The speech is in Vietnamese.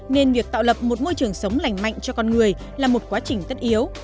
nên việc tạo lập một môi trường sống lành mạnh cho con người là một quá trình tất yếu